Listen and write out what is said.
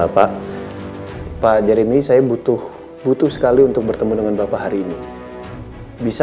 pak pak jeremy saya butuh butuh sekali untuk bertemu dengan bapak hari ini bisa